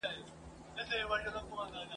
کوډي جادو او منترونه لیکي ..